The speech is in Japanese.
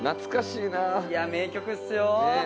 いや名曲っすよ。